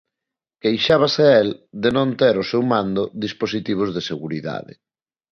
Queixábase el de non ter ao seu mando dispositivos de seguridade.